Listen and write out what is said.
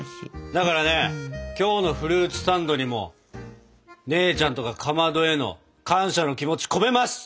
だからね今日のフルーツサンドにも姉ちゃんとかかまどへの感謝の気持ち込めます！